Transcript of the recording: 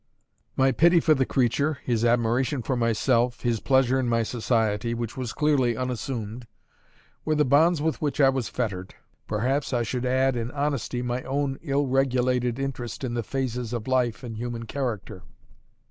My pity for the creature, his admiration for myself, his pleasure in my society, which was clearly unassumed, were the bonds with which I was fettered; perhaps I should add, in honesty, my own ill regulated interest in the phases of life and human character.